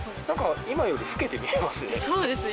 今より老けて見えますね。